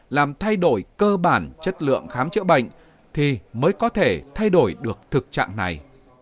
làm thay đổi cơ bản chất lượng khám chữa bệnh thì mới có thể thay đổi được thực trạng này